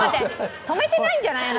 止めてないんじゃない？